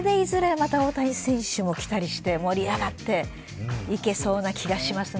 また、大谷選手も来たりして、盛り上がっていけそうな気がしますね。